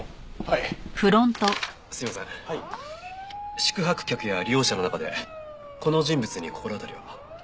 宿泊客や利用者の中でこの人物に心当たりは？